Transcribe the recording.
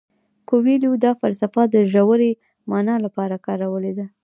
کویلیو دا فلسفه د ژورې مانا لپاره کارولې ده.